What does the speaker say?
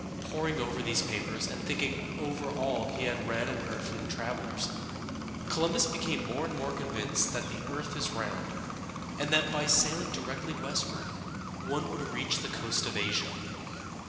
Poring over these papers, and thinking over all he had read and heard from travelers, Columbus became more and more convinced that the earth is round, and that by sailing directly westward one would reach the coast of Asia.